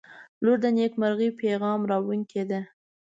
• لور د نیکمرغۍ پیغام راوړونکې ده.